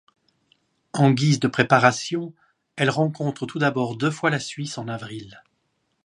En guise de préparation, elle rencontre tout d’abord deux fois la Suisse en avril.